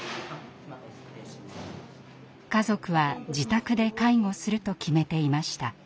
家族は自宅で介護すると決めていました。